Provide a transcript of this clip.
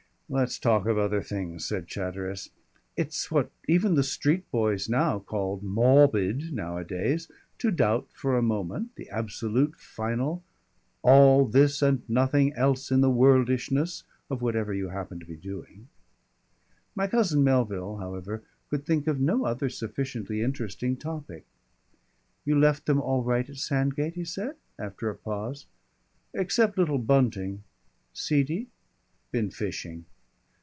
"Let's talk of other things," said Chatteris. "It's what even the street boys call mawbid nowadays to doubt for a moment the absolute final all this and nothing else in the worldishness of whatever you happen to be doing." My cousin Melville, however, could think of no other sufficiently interesting topic. "You left them all right at Sandgate?" he asked, after a pause. "Except little Bunting." "Seedy?" "Been fishing."